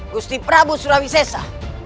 gusti prabu surawisesa